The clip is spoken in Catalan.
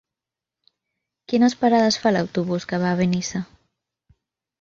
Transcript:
Quines parades fa l'autobús que va a Benissa?